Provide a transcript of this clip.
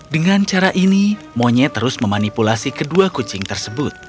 dengan cara ini monyet terus memanipulasi kedua kucing tersebut